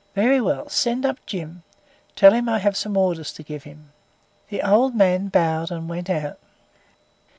"Very well; send up Jim. Tell him I have some orders to give him." The old man bowed and went out.